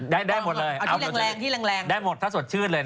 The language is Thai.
ได้หมดเลยได้หมดถ้าสดชื่นเลย